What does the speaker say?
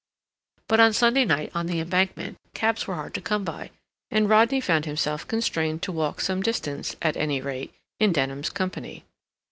But on Sunday night, on the Embankment, cabs were hard to come by, and Rodney found himself constrained to walk some distance, at any rate, in Denham's company.